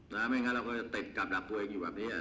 นะครับไม่งั้นเราก็จะเตฤศน์ก้าวบักกรุกส่วนตัวเอกอยู่แบบนี้นะครับ